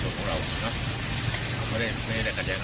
ก็ฝากไปดูด้วยแล้วกัน